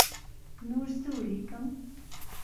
نور څه ولیکم.